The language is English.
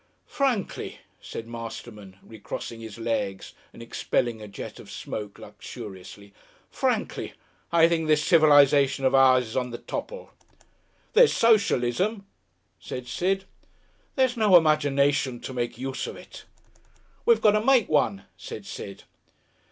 "Frankly," said Masterman, recrossing his legs and expelling a jet of smoke luxuriously, "frankly, I think this civilisation of ours is on the topple." "There's Socialism," said Sid. "There's no imagination to make use of it." "We've got to make one," said Sid.